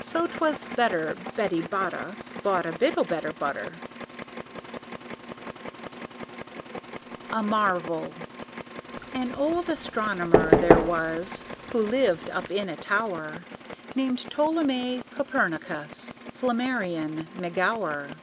So 'twas better Betty Botta Bought a bit o' better butter. A Marvel An old astronomer there was Who lived up in a tower, Named Ptolemy Copernicus Flammarion McGower.